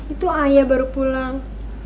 itu ayah baru pulang